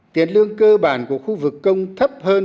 tiền lương cơ bản của khu vực công thấp hơn